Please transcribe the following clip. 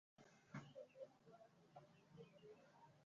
haya labda kifo chake kimezumziwaje hu